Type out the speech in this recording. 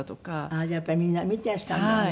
じゃあやっぱりみんな見ていらっしゃるんだね。